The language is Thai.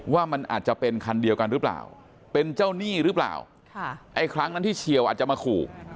ว่ามันอาจจะเป็นคันเดียวกันหรือเปล่าเป็นเจ้าหนี้หรือเปล่าไอ้ครั้งนั้นที่เชียวอาจจะมาขู่